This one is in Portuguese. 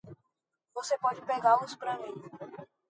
Você pode pegá-los para mim!